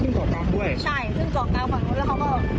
ซึ่งเกาะกลางด้วยใช่ขึ้นเกาะกลางฝั่งนู้นแล้วเขาก็